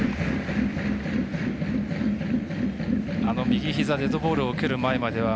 右ひざデッドボールを受けるまでは